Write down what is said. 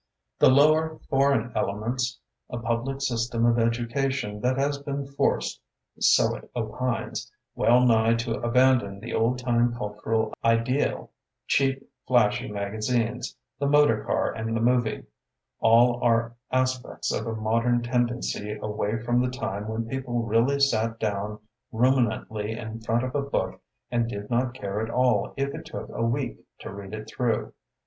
The lower foreign ele ments, a public system of education that has been forced, so it opines, well nigh to abandon the old time cultural ideal, cheap, flashy magazines, the motor car and the movie, — all are as pects of a modem tendency away from the time when people really sat down ruminantly in front of a book and did not care at all if it took a week to read it through.